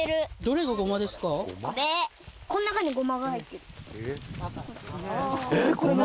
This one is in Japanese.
こん中にゴマが入ってる。